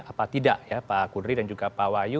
apakah tidak ya pak kudri dan juga pak wayu